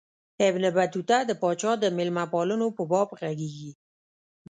ابن بطوطه د پاچا د مېلمه پالنو په باب ږغیږي.